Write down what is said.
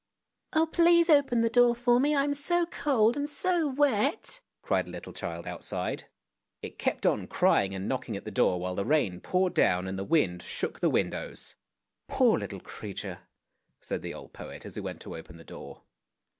" Oh, please open the door for me, I am so cold and so wet !" cried a little child outside. It kept on crying and knocking at the door, while the rain poured down and the wind shook the windows. " Poor little creature! " said the old poet, as he went to open the door.